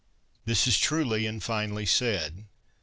This is truly and finely said.